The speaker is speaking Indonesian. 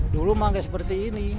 dulu memang tidak seperti ini